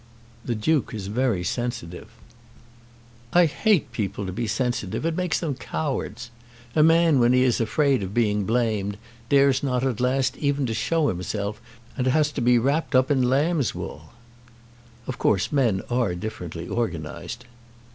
"The Duke is very sensitive." "I hate people to be sensitive. It makes them cowards. A man when he is afraid of being blamed, dares not at last even show himself, and has to be wrapped up in lamb's wool." "Of course men are differently organised."